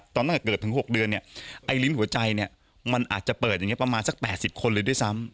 ตอนตั้งแต่เกิดถึง๖เดือนไล้ลิ้นหัวใจมันอาจจะเปิดประมาณ๘๐คนเลยด้วยซ้ำ